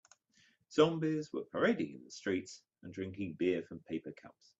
Zombies were parading in the streets and drinking beer from paper cups.